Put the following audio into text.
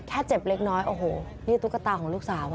เจ็บเล็กน้อยโอ้โหนี่ตุ๊กตาของลูกสาว